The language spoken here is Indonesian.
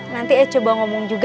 nanti eh coba ngomong juga